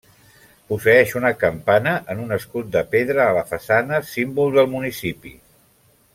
Posseeix una campana en un escut de pedra a la façana, símbol del municipi.